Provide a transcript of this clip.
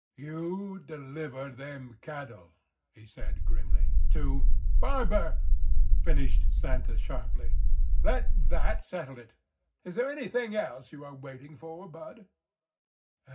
"You deliver them cattle," he said grimly, "to—" "Barber," finished Santa sharply. "Let that settle it. Is there anything else you are waiting for, Bud?"